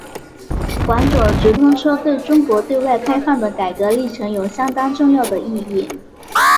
广九直通车对中国对外开放的改革历程有相当重要的意义。